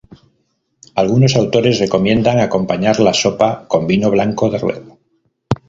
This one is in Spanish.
Algunos autores recomiendan acompañar la sopa con vino blanco de Rueda.